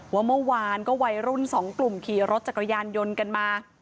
ว่าเมื่อวานก็วัยรุ่นสองกลุ่มขี่รถจักรยานยนต์กันมา